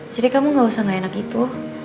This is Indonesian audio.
jadi kamu gak usah gak enak gitu